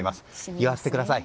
言わせてください。